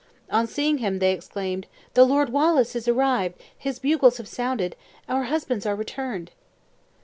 On seeing him, they exclaimed, "The Lord Wallace is arrived his bugles have sounded our husbands are returned!"